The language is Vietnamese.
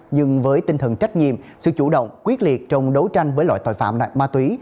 nhưng với tinh thần trách nhiệm sự chủ động quyết liệt trong đấu tranh với loại tội phạm ma túy